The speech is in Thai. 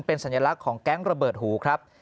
เป็นสัญลักษณ์ของแก๊งระเบิดหูครับ